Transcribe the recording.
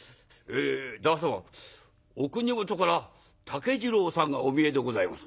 「旦那様お国元から竹次郎さんがお見えでございます」。